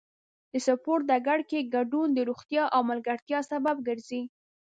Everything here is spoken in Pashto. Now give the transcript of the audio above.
د سپورت ډګر کې ګډون د روغتیا او ملګرتیا سبب ګرځي.